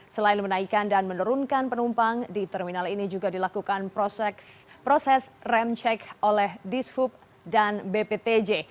selain menaikkan dan menurunkan penumpang di terminal ini juga dilakukan proses rem cek oleh dishub dan bptj